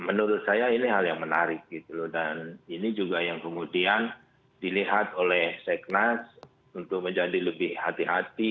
menurut saya ini hal yang menarik gitu loh dan ini juga yang kemudian dilihat oleh seknas untuk menjadi lebih hati hati